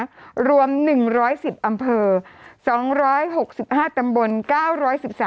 กรมป้องกันแล้วก็บรรเทาสาธารณภัยนะคะ